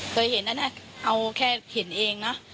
เคยเห็นนะน่ะเอาแค่เห็นเองนะ